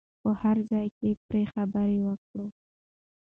په هر ځای کې پرې خبرې وکړو.